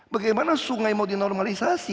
bagaimana sungai mau dinormalisasi